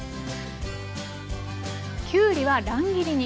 きゅうりは乱切りに。